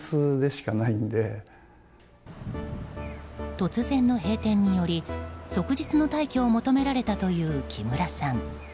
突然の閉店により即日の退去を求められたという木村さん。